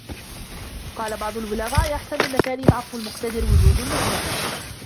وَقَالَ بَعْضُ الْبُلَغَاءِ أَحْسَنُ الْمَكَارِمِ عَفْوُ الْمُقْتَدِرِ ، وُجُودُ الْمُفْتَقِرِ